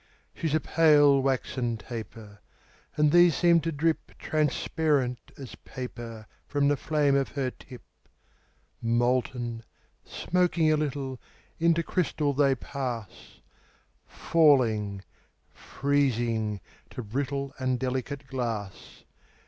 She's a pale, waxen taper; And these seem to drip Transparent as paper From the flame of her tip. Molten, smoking a little, Into crystal they pass; Falling, freezing, to brittle And delicate glass.